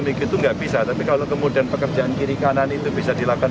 begitu nggak bisa tapi kalau kemudian pekerjaan kiri kanan itu bisa dilakukan